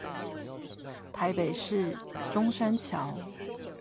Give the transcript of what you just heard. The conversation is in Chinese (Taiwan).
台北市中山橋